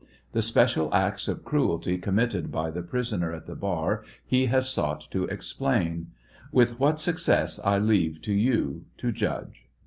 The special acts of cruelty committed by the prisoner at the bar he has sought to explain; with what suc cess I leave to you to judge.